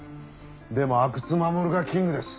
でも阿久津守がキングです。